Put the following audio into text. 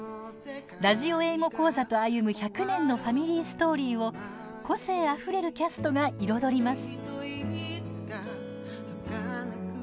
ラジオ英語講座と歩む１００年のファミリーストーリーを個性あふれるキャストが彩ります。